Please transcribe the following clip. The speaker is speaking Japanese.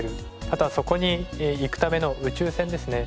あとはそこに行くための宇宙船ですね。